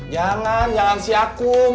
jangan jangan siak kum